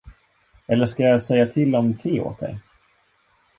Eller skall jag säga till om te åt dig?